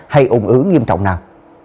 hay ủng ứng nghiêm trọng nào